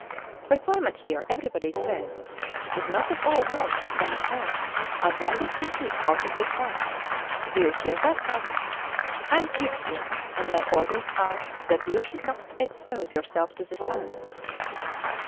The climate here, everybody says, is not at all worse than at home, as long as you keep out of the sun. Do you hear that, Carlier? I am chief here, and my orders are that you should not expose yourself to the sun!